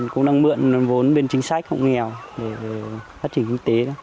cũng đang mượn nguồn vốn bên chính sách hộ nghèo để phát triển kinh tế